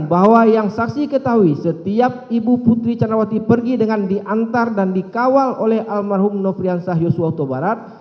bahwa yang saksi ketahui setiap ibu putri canrawati pergi dengan diantar dan dikawal oleh almarhum nofriansah yosu wato barat